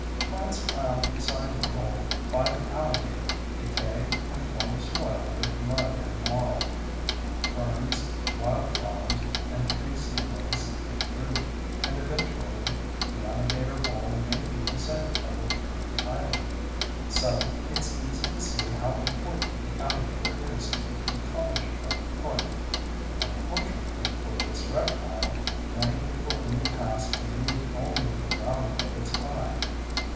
Plants piled beside the hole by the alligator decay and form soil with mud and marl. Ferns, wildflowers, and tree seedlings take root, and eventually the alligator hole may be the center of a tree island. So, it's easy to see how important the alligator is to the ecology of the park. Unfortunately for this reptile, many people in the past believed only in the value of its hide.